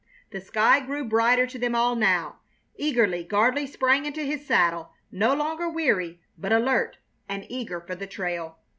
The sky grew brighter to them all now. Eagerly Gardley sprang into his saddle, no longer weary, but alert and eager for the trail.